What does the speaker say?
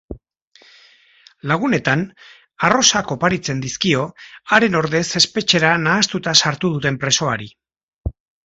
Lagunetan, arrosak oparitzen dizkio haren ordez espetxera nahastuta sartu duten presoari.